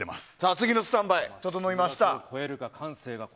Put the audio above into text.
次のスタンバイ、整いました。